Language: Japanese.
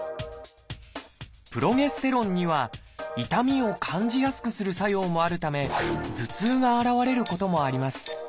プロゲステロンには痛みを感じやすくする作用もあるため頭痛が現れることもあります。